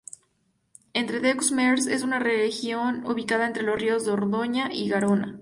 Entre-deux-Mers es una región ubicada entre los ríos Dordoña y Garona.